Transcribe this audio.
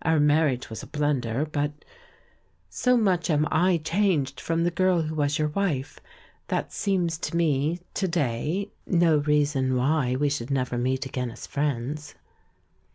Our marriage was a blunder, but — so much am I changed from the girl who was your wife — that seems to me, to day, no reason why we should never meet again as friends.